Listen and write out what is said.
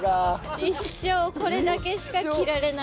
一生これだけしか着られない。